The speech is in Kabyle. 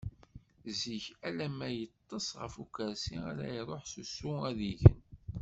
Zik alarma yeṭṭeṣ ɣef ukersi ara iruḥ s usu ad igen.